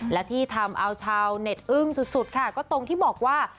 และที่ทำเอาชาวเน็ตอึ้งสุดค่ะก็ตรงที่บอกว่า